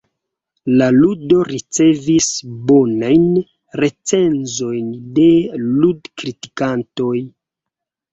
La ludo ricevis bonajn recenzojn de lud-kritikantoj.